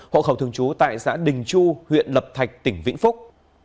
hộ khẩu thường trú tại xã đình chu huyện lập thạch tỉnh vĩnh phúc